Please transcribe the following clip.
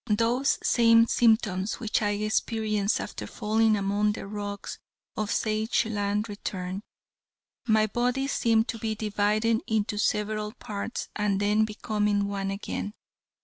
Those same symptoms which I experienced after falling among the rocks of Sageland returned. My body seemed to be dividing into several parts and then becoming one again.